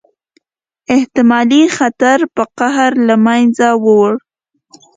احتمالي خطر په قهر له منځه ووړ.